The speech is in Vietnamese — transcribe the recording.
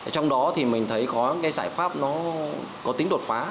trong đó thì mình thấy có cái giải pháp nó có tính đột phá